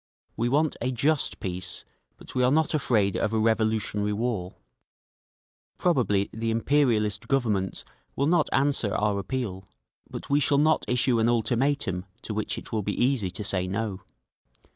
"We want a just peace, but we are not afraid of a revolutionary war…. Probably the imperialist Governments will not answer our appeal—but we shall not issue an ultimatum to which it will be easy to say no….